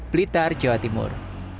blitar jawa timur